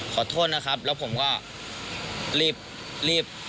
ขอโทษนะครับแล้วผมก็รีบรีบ